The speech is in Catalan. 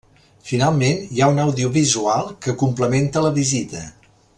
Finalment hi ha un audiovisual que complementa la visita.